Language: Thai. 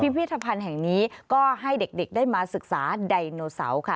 พิธภัณฑ์แห่งนี้ก็ให้เด็กได้มาศึกษาไดโนเสาร์ค่ะ